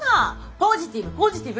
ポジティブポジティブ。